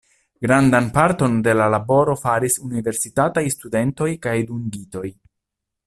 Grandan parton de la laboro faris universitataj studentoj kaj dungitoj.